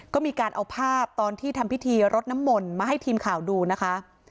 ก็มีการเอาภาพตอนที่ทำพิธีรดน้ำมนต์มาให้ทีมข่าวดูนะคะ